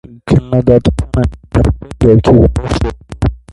Քննադատության են ենթարկվել երգի որոշ տողեր։